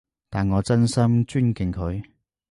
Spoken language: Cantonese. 但我真心尊敬佢